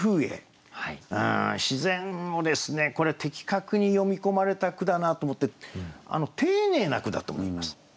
自然をですねこれ的確に詠み込まれた句だなと思って丁寧な句だと思います。